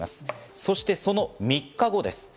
そして、その３日後です。